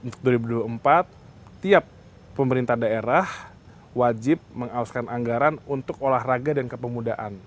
untuk dua ribu dua puluh empat tiap pemerintah daerah wajib mengauskan anggaran untuk olahraga dan kepemudaan